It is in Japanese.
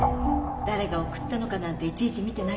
誰が送ったのかなんていちいち見てないから。